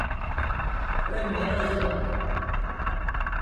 Ölmeye hazırlan!